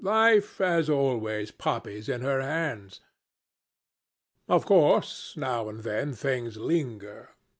"Life has always poppies in her hands. Of course, now and then things linger.